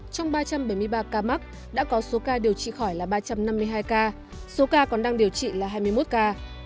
trong ba trăm bảy mươi ba ca mắc đã có số ca điều trị khỏi là ba trăm năm mươi hai ca số ca còn đang điều trị là hai mươi một ca